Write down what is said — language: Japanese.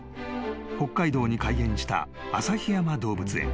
［北海道に開園した旭山動物園］